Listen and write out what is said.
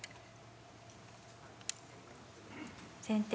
先手